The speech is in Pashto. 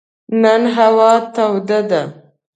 نن هوا توده ده.